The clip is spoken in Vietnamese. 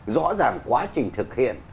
rõ ràng quá trình thực hiện